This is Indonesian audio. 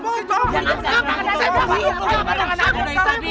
masker saya aspects tapi